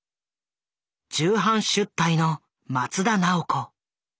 「重版出来！」の松田奈緒子。